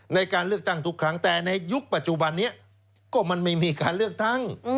ในการเลือกตั้งทุกครั้งแต่ในยุคปัจจุบันนี้ก็มันไม่มีการเลือกตั้ง